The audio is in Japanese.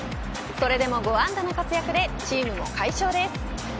それでも５安打の活躍でチームも快勝です。